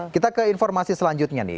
kita ke informasi selanjutnya nih